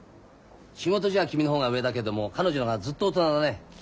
仕事じゃ君の方が上だけども彼女がずっと大人だね。